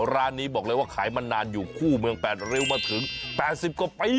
ร้านนี้บอกเลยว่าขายมานานอยู่คู่เมือง๘ริ้วมาถึง๘๐กว่าปี